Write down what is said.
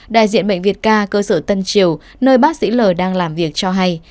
đại diện bệnh viện ca cơ sở tân triều nơi bác sĩ l đang làm việc cho hay